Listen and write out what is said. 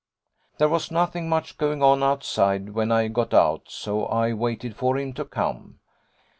There was nothing much going on outside when I got out, so I waited for him to come.